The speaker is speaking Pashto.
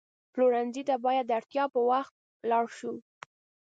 پلورنځي ته باید د اړتیا پر وخت لاړ شو.